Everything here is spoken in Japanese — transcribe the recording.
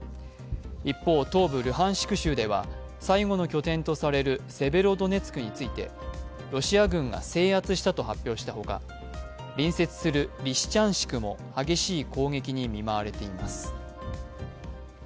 一方、東部ルハンシク州では最後の拠点とされるセベロドネツクについてロシア軍が制圧したと発表したほか隣接するリシチャンシクも激しい攻撃に見舞われています。